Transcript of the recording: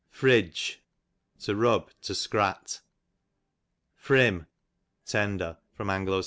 Fridge, to rub, to scrat. Frim, tender. A. S.